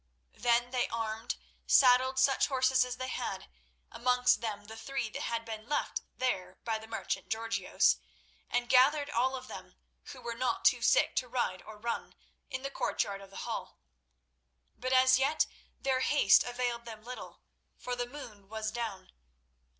Then they armed, saddled such horses as they had, amongst them the three that had been left there by the merchant Georgios, and gathered all of them who were not too sick to ride or run, in the courtyard of the Hall. But as yet their haste availed them little, for the moon was down.